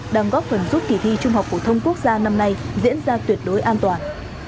đang góp phần giúp kỳ thi trung học phổ thông quốc gia năm nay diễn ra tuyệt đối an toàn